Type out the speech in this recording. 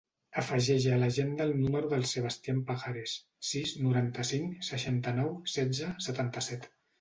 Afegeix a l'agenda el número del Sebastian Pajares: sis, noranta-cinc, seixanta-nou, setze, setanta-set.